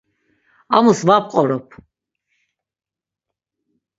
Amus va p̌qorop.